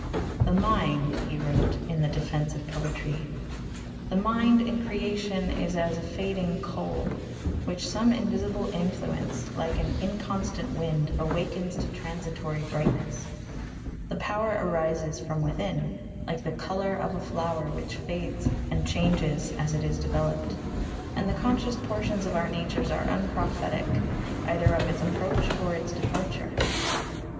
"The mind," he wrote in the Defence of Poetry The mind in creation is as a fading coal, which some invisible influence, like an inconstant wind, awakens to transitory brightness; the power arises from within, like the colour of a flower which fades and changes as it is developed, and the conscious portions of our natures are unprophetic either of its approach or its departure.